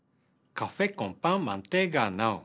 カフェコンパンマンティガノン。